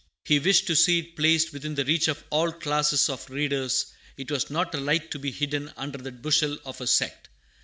He wished to see it placed within the reach of all classes of readers; it was not a light to be hidden under the bushel of a sect.